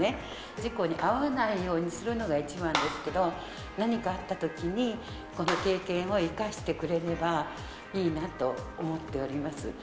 事故に遭わないようにするのが一番ですけど、何かあったときに、この経験を生かしてくれればいいなと思っております。